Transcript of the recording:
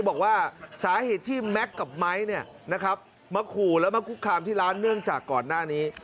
บอกว่าสาเหตุที่แม็กซ์กับไม้มาขู่แล้วมาคุกคามที่ร้านเนื่องจากก่อนหน้านี้